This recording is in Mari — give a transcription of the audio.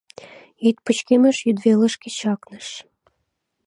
Йӱд пычкемыш йӱдвелышке чакныш.